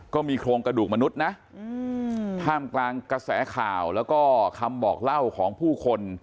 ก็มีโครงกระดูกมนุษย์นะท่ามกลางกระแสข่าวแล้วก็คำบอกเล่าของผู้คน